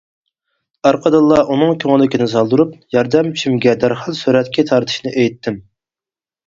ئارقىدىنلا ئۇنىڭ كۆڭلىكىنى سالدۇرۇپ ياردەمچىمگە دەرھال سۈرەتكە تارتىشنى ئېيتتىم.